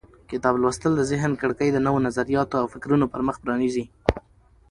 کتاب لوستل د ذهن کړکۍ د نوو نظریاتو او فکرونو پر مخ پرانیزي.